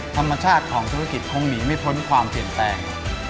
ธรรมชาติของธุรกิจคงหนีไม่พ้นความเปลี่ยนแปลง